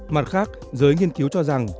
mặt khác giới nghiên cứu cho rằng